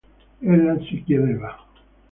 Ella si chiedeva.